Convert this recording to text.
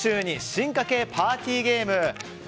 進化形パーティーゲーム。